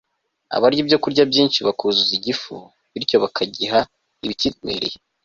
abarya ibyokurya byinshi bakuzuza igifu, bityo bakagiha ibikiremereye